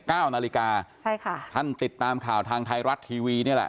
เก้านาฬิกาใช่ค่ะท่านติดตามข่าวทางไทยรัฐทีวีนี่แหละ